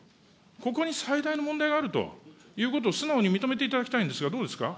ここに最大の問題があるということを素直に認めていただきたいんですが、どうですか。